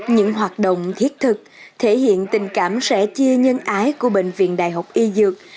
những hoạt động thiết thực thể hiện tình cảm sẻ chia nhân ái của bệnh viện đại học y dược